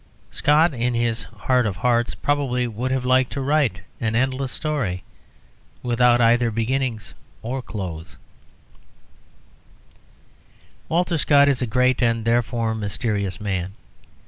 Scott, in his heart of hearts, probably would have liked to write an endless story without either beginning or close. Walter Scott is a great, and, therefore, mysterious man.